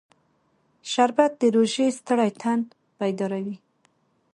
شربت د روژې ستړی تن بیداروي